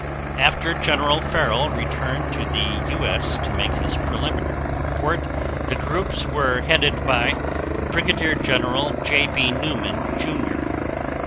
After General Farrell returned to the U.S. to make his preliminary report, the groups were headed by Brigadier General J. B. Newman, Jr.